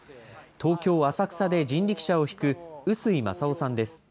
東京・浅草で人力車を引く碓井雅大さんです。